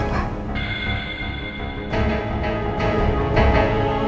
boleh aku baca